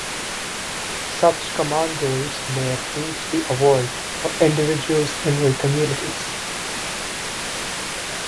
Such commanders may approve the award for individuals in their communities.